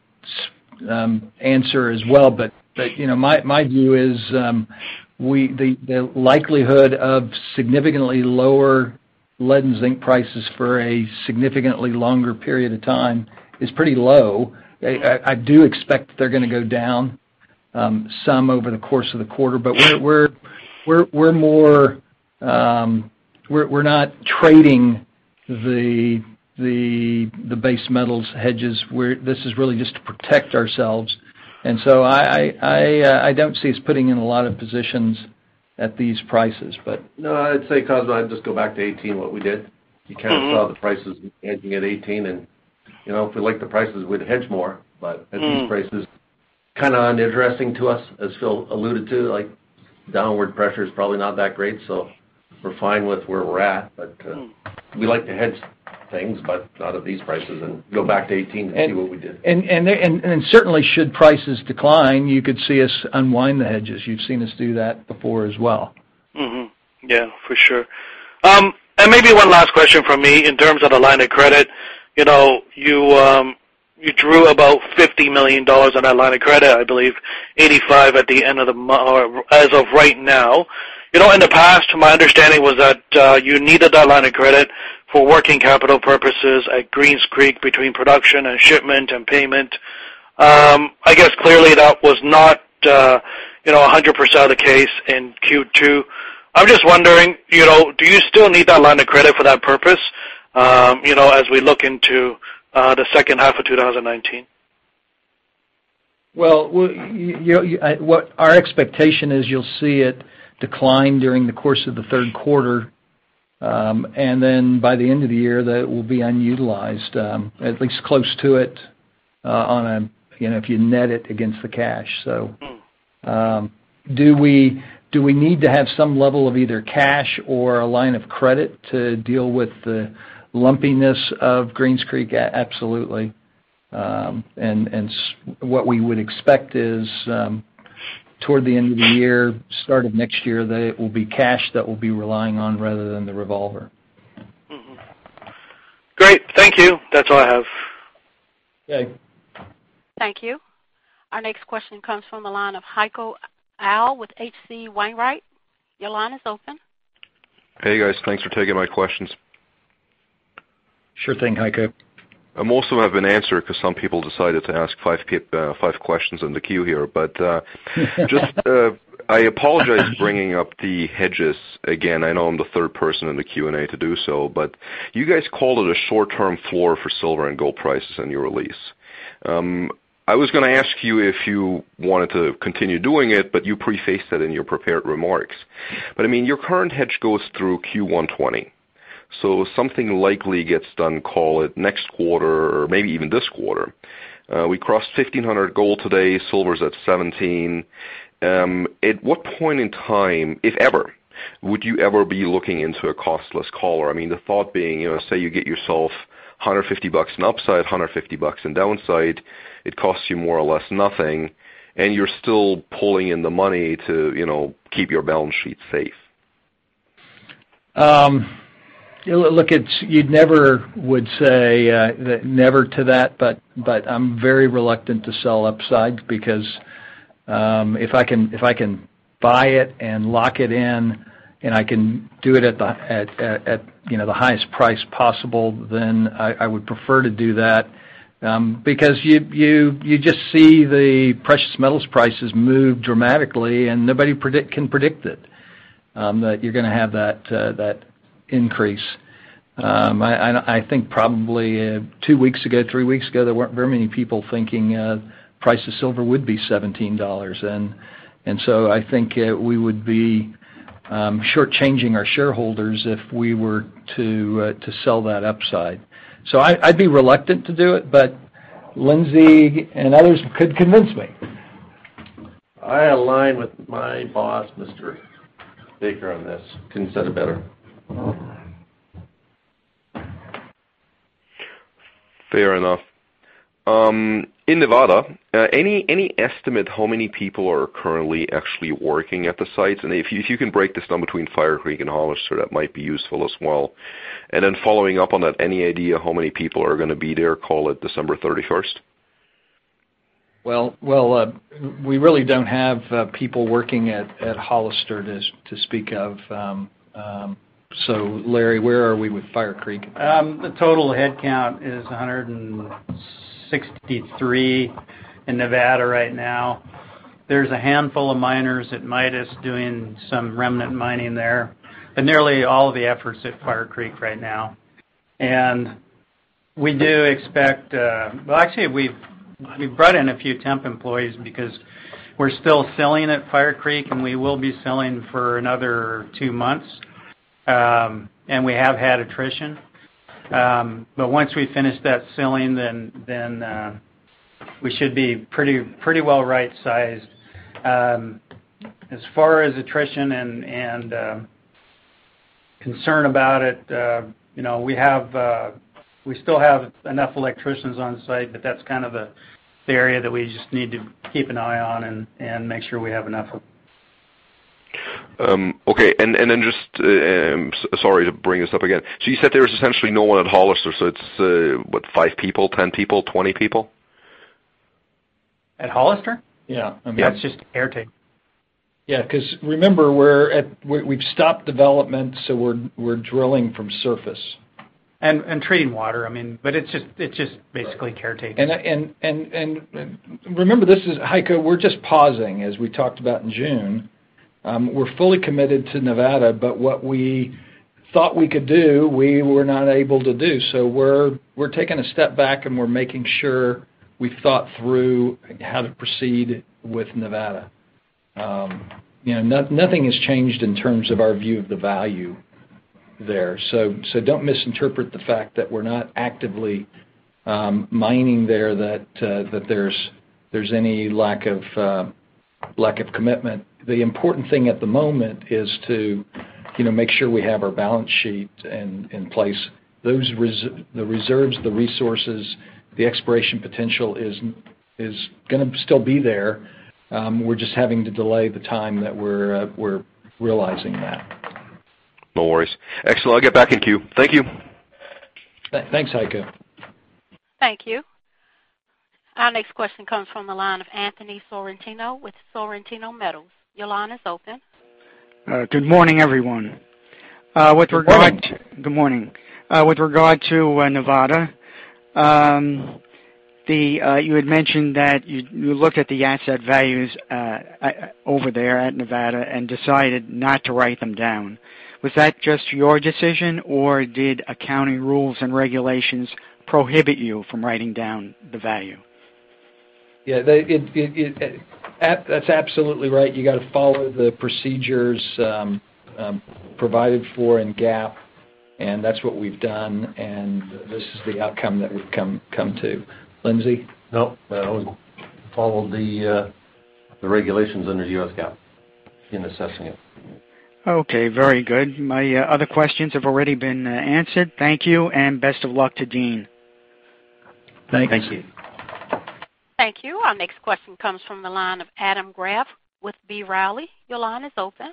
answer as well, but my view is, the likelihood of significantly lower lead and zinc prices for a significantly longer period of time is pretty low. I do expect that they're going to go down some over the course of the quarter, but we're not trading the base metals hedges. This is really just to protect ourselves. I don't see us putting in a lot of positions at these prices. No, I'd say, Cosmos, I'd just go back to 2018, what we did. You kind of saw the prices edging at 2018, and if we like the prices, we'd hedge more. At these prices, kind of uninteresting to us, as Phil alluded to, like, downward pressure is probably not that great. We're fine with where we're at, but we like to hedge things, but not at these prices and go back to 2018 to see what we did. Certainly should prices decline, you could see us unwind the hedges. You've seen us do that before as well. Mm-hmm. Yeah, for sure. Maybe one last question from me in terms of the line of credit. You drew about $50 million on that line of credit, I believe $85 as of right now. In the past, my understanding was that you needed that line of credit for working capital purposes at Greens Creek between production and shipment and payment. I guess clearly that was not 100% of the case in Q2. I'm just wondering, do you still need that line of credit for that purpose as we look into the second half of 2019? Well, our expectation is you'll see it decline during the course of the third quarter, and then by the end of the year, that it will be unutilized, at least close to it if you net it against the cash. Do we need to have some level of either cash or a line of credit to deal with the lumpiness of Greens Creek? Absolutely. What we would expect is, toward the end of the year, start of next year, that it will be cash that we'll be relying on rather than the revolver. Mm-hmm. Great. Thank you. That's all I have. Okay. Thank you. Our next question comes from the line of Heiko Ihle with H.C. Wainwright. Your line is open. Hey, guys. Thanks for taking my questions. Sure thing, Heiko. Most of them have been answered because some people decided to ask five questions in the queue here. Just, I apologize for bringing up the hedges again. I know I'm the third person in the Q&A to do so, but you guys called it a short-term floor for silver and gold prices in your release. Your current hedge goes through Q1 2020, so something likely gets done, call it next quarter or maybe even this quarter. We crossed $1,500 gold today. Silver's at $17. At what point in time, if ever, would you ever be looking into a costless collar? The thought being, say you get yourself $150 in upside, $150 in downside, it costs you more or less nothing. You're still pulling in the money to keep your balance sheet safe. You never would say never to that, but I'm very reluctant to sell upside because if I can buy it and lock it in, and I can do it at the highest price possible, then I would prefer to do that. You just see the precious metals prices move dramatically, and nobody can predict it, that you're going to have that increase. I think probably two weeks ago, three weeks ago, there weren't very many people thinking the price of silver would be $17. I think we would be short-changing our shareholders if we were to sell that upside. I'd be reluctant to do it, but Lindsay and others could convince me. I align with my boss, Mr. Baker, on this. Couldn't have said it better. Fair enough. In Nevada, any estimate how many people are currently actually working at the sites? If you can break this down between Fire Creek and Hollister, that might be useful as well. Following up on that, any idea how many people are going to be there, call it December 31st? Well, we really don't have people working at Hollister, to speak of. Larry, where are we with Fire Creek? The total headcount is 163 in Nevada right now. There's a handful of miners at Midas doing some remnant mining there. Nearly all of the effort's at Fire Creek right now. Well, actually, we've brought in a few temp employees because we're still filling at Fire Creek, and we will be filling for another two months. We have had attrition. Once we finish that filling, then we should be pretty well right-sized. As far as attrition and concern about it, we still have enough electricians on site, but that's the area that we just need to keep an eye on and make sure we have enough of. Okay. Just, sorry to bring this up again. You said there was essentially no one at Hollister, so it's what? Five people? 10 people? 20 people? At Hollister? Yeah. It's just caretaking. Because remember, we've stopped development, so we're drilling from surface. Treating water. It's just basically caretaking. Remember, Heiko, we're just pausing, as we talked about in June. We're fully committed to Nevada, but what we thought we could do, we were not able to do. We're taking a step back, and we're making sure we've thought through how to proceed with Nevada. Nothing has changed in terms of our view of the value there. Don't misinterpret the fact that we're not actively mining there, that there's any lack of commitment. The important thing at the moment is to make sure we have our balance sheet in place. The reserves, the resources, the exploration potential is going to still be there. We're just having to delay the time that we're realizing that. No worries. Excellent. I'll get back in queue. Thank you. Thanks, Heiko. Thank you. Our next question comes from the line of Anthony Sorrentino with Sorrentino Metals. Your line is open. Good morning, everyone. Good morning. Good morning. With regard to Nevada, you had mentioned that you looked at the asset values over there at Nevada and decided not to write them down. Was that just your decision, or did accounting rules and regulations prohibit you from writing down the value? Yeah, that's absolutely right. You got to follow the procedures provided for in GAAP, and that's what we've done, and this is the outcome that we've come to. Lindsay? Nope. No, we followed the regulations under U.S. GAAP in assessing it. Okay, very good. My other questions have already been answered. Thank you, and best of luck to Dean. Thank you. Thank you. Thank you. Our next question comes from the line of Adam Graf with B. Riley. Your line is open.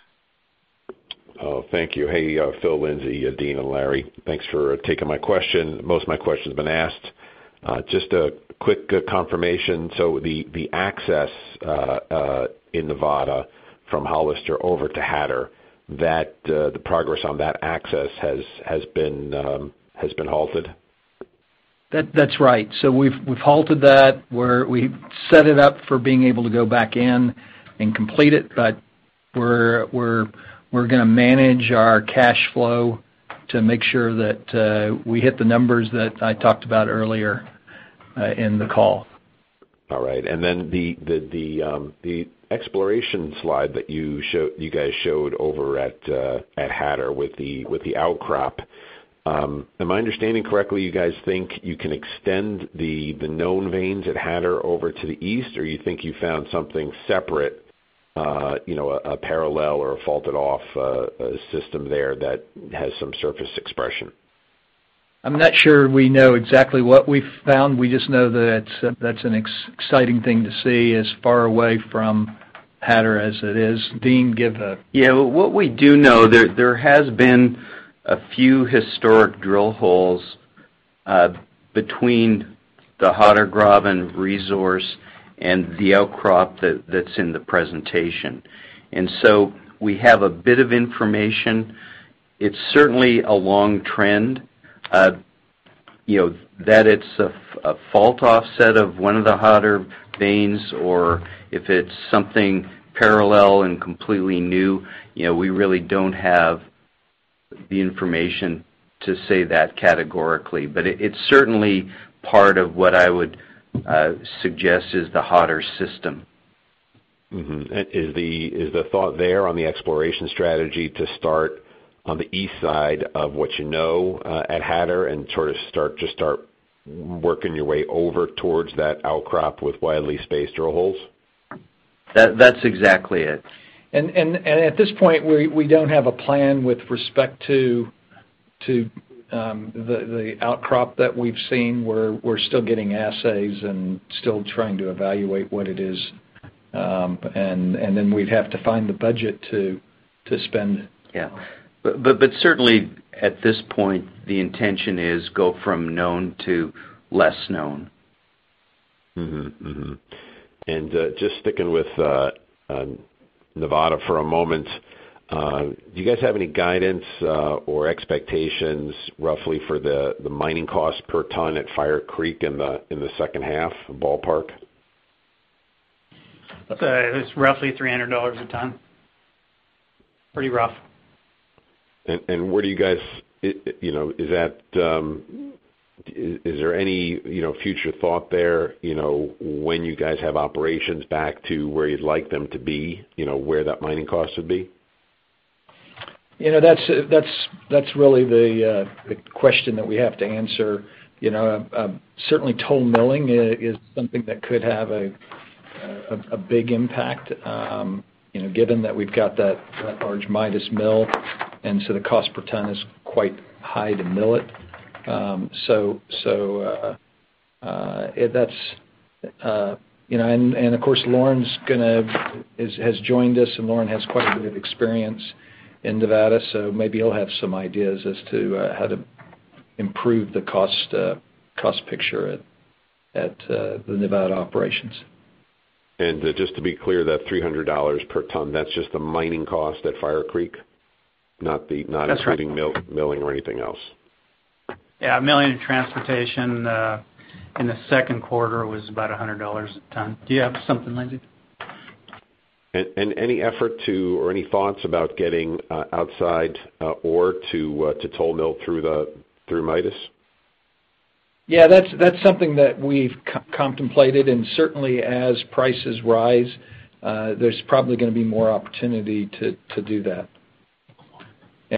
Oh, thank you. Hey, Phil, Lindsay, Dean, and Larry. Thanks for taking my question. Most of my question's been asked. Just a quick confirmation. The access in Nevada from Hollister over to Hatter, the progress on that access has been halted? That's right. We've halted that. We've set it up for being able to go back in and complete it, but we're going to manage our cash flow to make sure that we hit the numbers that I talked about earlier in the call. All right. The exploration slide that you guys showed over at Hatter with the outcrop. Am I understanding correctly, you guys think you can extend the known veins at Hatter over to the east, or you think you found something separate, a parallel or a faulted off system there that has some surface expression? I'm not sure we know exactly what we've found. We just know that that's an exciting thing to see as far away from Hatter as it is. Dean, Yeah. What we do know, there has been a few historic drill holes between the Hatter Graben resource and the outcrop that's in the presentation. We have a bit of information. It's certainly a long trend. That it's a fault offset of one of the Hatter veins or if it's something parallel and completely new, we really don't have the information to say that categorically. It's certainly part of what I would suggest is the Hatter system. Is the thought there on the exploration strategy to start on the east side of what you know, at Hatter and sort of just start working your way over towards that outcrop with widely spaced drill holes? That's exactly it. At this point, we don't have a plan with respect to the outcrop that we've seen, we're still getting assays and still trying to evaluate what it is. Then we'd have to find the budget to spend. Yeah. Certainly at this point, the intention is go from known to less known. Mm-hmm. Just sticking with Nevada for a moment, do you guys have any guidance or expectations roughly for the mining cost per ton at Fire Creek in the second half, a ballpark? It's roughly $300 a ton. Pretty rough. Is there any future thought there, when you guys have operations back to where you'd like them to be, where that mining cost would be? That's really the question that we have to answer. Certainly toll milling is something that could have a big impact, given that we've got that large Midas mill, the cost per ton is quite high to mill it. Of course, Lauren has joined us and Lauren has quite a bit of experience in Nevada, so maybe he'll have some ideas as to how to improve the cost picture at the Nevada operations. Just to be clear, that $300 per ton, that's just the mining cost at Fire Creek, not the. That's right. not including milling or anything else. Yeah. Milling and transportation, in the second quarter was about $100 a ton. Do you have something, Lindsay? Any effort to or any thoughts about getting outside ore to toll mill through Midas? Yeah, that's something that we've contemplated and certainly as prices rise, there's probably going to be more opportunity to do that.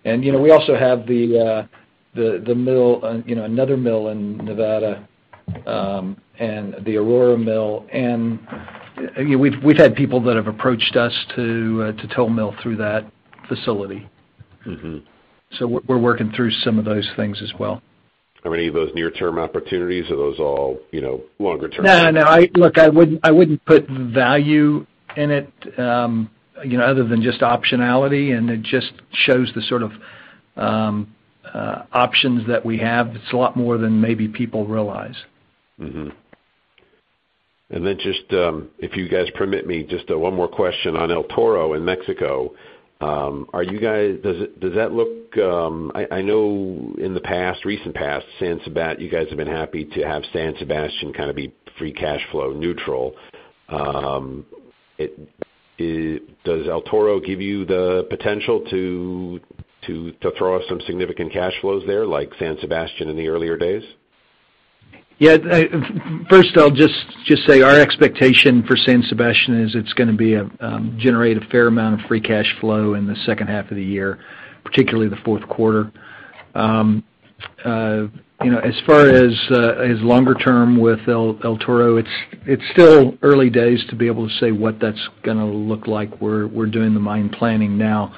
We also have another mill in Nevada, and the Aurora mill, and we've had people that have approached us to toll mill through that facility. We're working through some of those things as well. Are any of those near-term opportunities or are those all longer-term? No. Look, I wouldn't put value in it, other than just optionality, and it just shows the sort of options that we have. It's a lot more than maybe people realize. Just, if you guys permit me, just one more question on El Toro in Mexico. I know in the recent past, San Sebastian, you guys have been happy to have San Sebastian be free cash flow neutral. Does El Toro give you the potential to throw us some significant cash flows there, like San Sebastian in the earlier days? Yeah. First, I'll just say our expectation for San Sebastian is it's going to generate a fair amount of free cash flow in the second half of the year, particularly the fourth quarter. As far as longer term with El Toro, it's still early days to be able to say what that's going to look like. We're doing the mine planning now.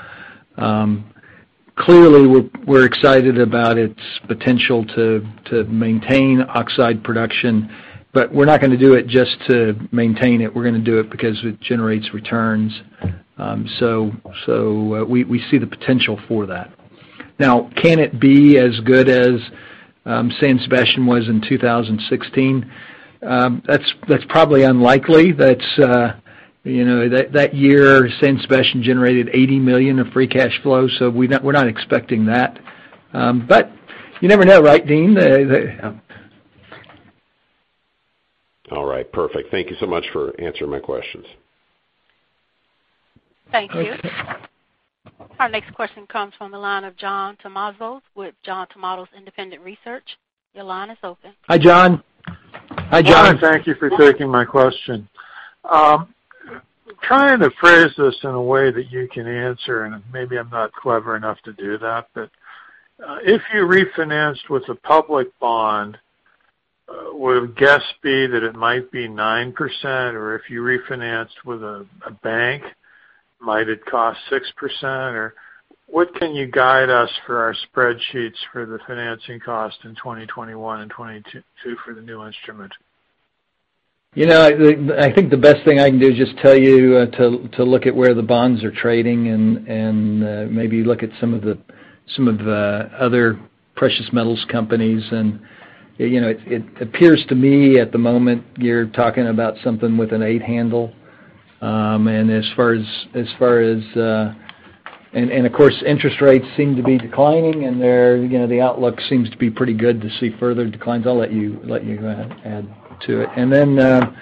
Clearly, we're excited about its potential to maintain oxide production, but we're not going to do it just to maintain it. We're going to do it because it generates returns. We see the potential for that. Now, can it be as good as San Sebastian was in 2016? That's probably unlikely. That year, San Sebastian generated $80 million in free cash flow, so we're not expecting that. You never know, right, Dean? All right, perfect. Thank you so much for answering my questions. Thank you. Our next question comes from the line of John Tumazos with John Tumazos Independent Research. Your line is open. Hi, John. John, thank you for taking my question. Trying to phrase this in a way that you can answer, maybe I'm not clever enough to do that, but if you refinanced with a public bond, would a guess be that it might be 9%? If you refinanced with a bank, might it cost 6%? What can you guide us for our spreadsheets for the financing cost in 2021 and 2022 for the new instrument? I think the best thing I can do is just tell you to look at where the bonds are trading and maybe look at some of the other precious metals companies. It appears to me at the moment, you're talking about something with an eight handle. Of course, interest rates seem to be declining, and the outlook seems to be pretty good to see further declines. I'll let you add to it.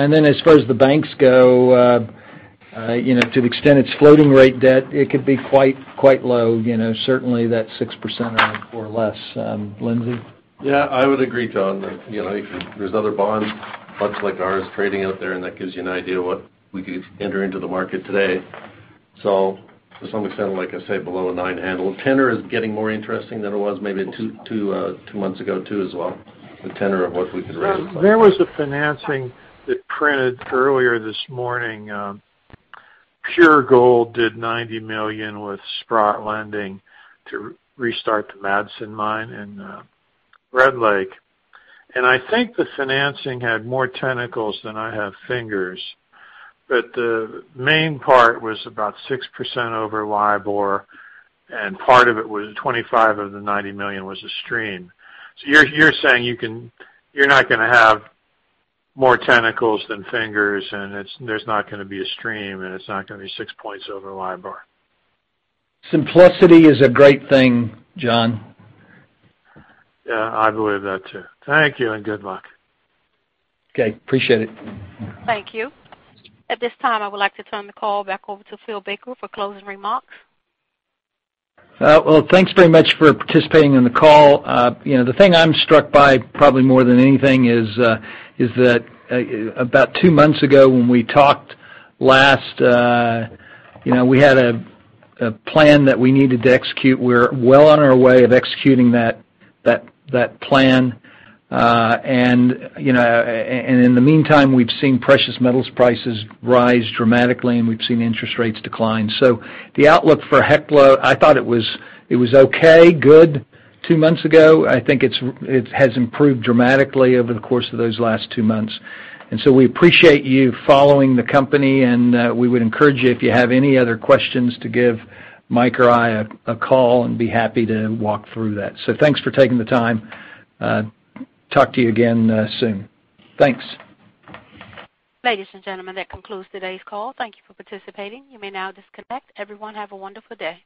Then as far as the banks go, to the extent it's floating rate debt, it could be quite low. Certainly that 6% or less. Lindsay? Yeah, I would agree, John. There's other bond bids like ours trading out there, that gives you an idea what we could enter into the market today. To some extent, like I say, below a nine handle. Tenor is getting more interesting than it was maybe two months ago, too, as well. The tenor of what we can raise. There was a financing that printed earlier this morning. Pure Gold did $90 million with Sprott lending to restart the Madsen mine in Red Lake. I think the financing had more tentacles than I have fingers. The main part was about 6% over LIBOR, and part of it was $25 million of the $90 million was a stream. You're saying you're not going to have more tentacles than fingers, and there's not going to be a stream, and it's not going to be six points over LIBOR. Simplicity is a great thing, John. Yeah, I believe that, too. Thank you and good luck. Okay, appreciate it. Thank you. At this time, I would like to turn the call back over to Phil Baker for closing remarks. Well, thanks very much for participating in the call. The thing I'm struck by probably more than anything is that about two months ago when we talked last, we had a plan that we needed to execute. We're well on our way of executing that plan. In the meantime, we've seen precious metals prices rise dramatically, and we've seen interest rates decline. The outlook for Hecla, I thought it was okay, good two months ago. I think it has improved dramatically over the course of those last two months. We appreciate you following the company, and we would encourage you, if you have any other questions, to give Mike or I a call, and be happy to walk through that. Thanks for taking the time. Talk to you again soon. Thanks. Ladies and gentlemen, that concludes today's call. Thank you for participating. You may now disconnect. Everyone, have a wonderful day.